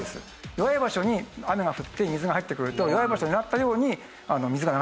弱い場所に雨が降って水が入ってくると弱い場所を狙ったように水が流れます。